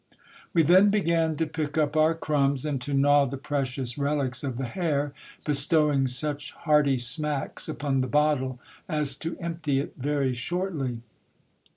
\\ e then began to pick up our crumbs, and to gnaw the precious relics of the hare, bestowing such hearty smacks upon the bottle, as to empty it very s.iortly.